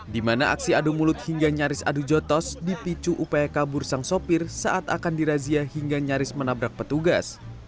di mana aksi adu mulut hingga nyaris adu jotos dipicu upaya kabur sang sopir saat akan dirazia hingga nyaris menabrak petugas